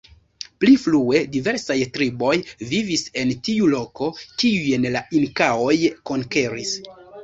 Pli frue diversaj triboj vivis en tiu loko, kiujn la inkaoj konkeris.